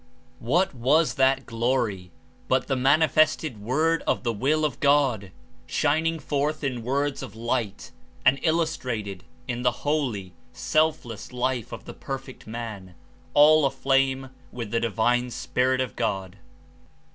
^' What was that gloi7 but the manifested Word of the Will of God, shining forth In words of light and illustrated in the holy, selfless life of the Perfect Man, all aflame with the Divine Spirit of God!